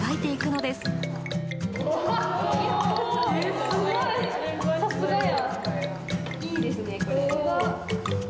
いいですね。